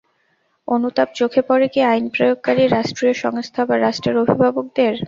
অনুতাপ চোখে পড়ে কি আইন প্রয়োগকারী রাষ্ট্রীয় সংস্থা বা রাষ্ট্রের অভিভাবকদের?